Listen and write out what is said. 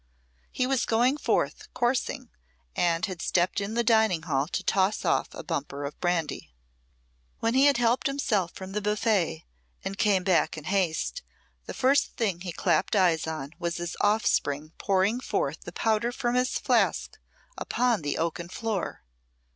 He was going forth coursing, and had stepped into the dining hall to toss off a bumper of brandy. When he had helped himself from the buffet, and came back in haste, the first thing he clapped eyes on was his offspring pouring forth the powder from his flask upon the oaken floor.